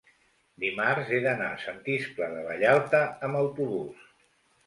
dimarts he d'anar a Sant Iscle de Vallalta amb autobús.